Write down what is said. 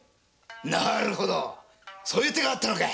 なるほどそういう手があったのか。